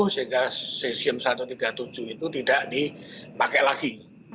sehingga cesium satu ratus tiga puluh tujuh itu tidak dipakai lagi